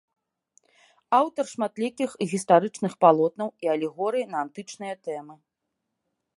Аўтар шматлікіх гістарычных палотнаў і алегорый на антычныя тэмы.